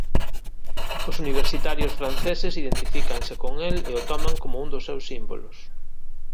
Os universitarios franceses identifícanse con el e o toman como un dos seus símbolos.